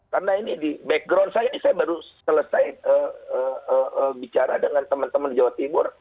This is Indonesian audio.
karena ini di background saya ini saya baru selesai bicara dengan teman teman di jawa timur